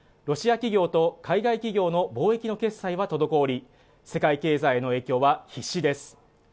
ロシア企業と海外企業の貿易の決済は滞り世界経済への影響は必至です